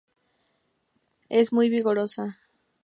Es muy vigorosa.